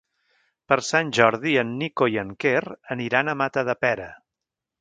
Per Sant Jordi en Nico i en Quer aniran a Matadepera.